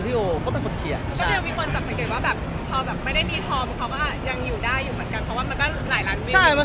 มีคนจัดสัญเกตตัวแบบไม่ได้พรีมท้อม